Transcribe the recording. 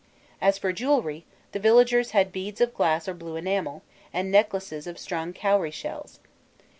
As for jewellery, the villagers had beads of glass or blue enamel, and necklaces of strung cowrie shells.